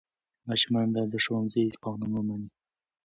ماشومان باید د ښوونځي قانون ومني.